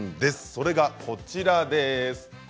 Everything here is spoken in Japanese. それがこちらです。